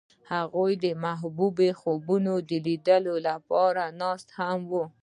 هغوی د محبوب خوبونو د لیدلو لپاره ناست هم وو.